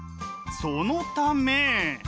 そのため。